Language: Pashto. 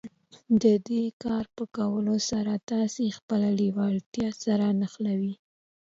د دې کار په کولو سره تاسې خپله لېوالتیا سره نښلوئ.